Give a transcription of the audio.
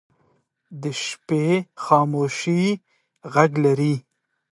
د شپې خاموشي غږ لري